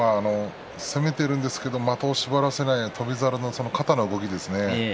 攻めているんですけど的を絞らせない翔猿の肩の動きですね。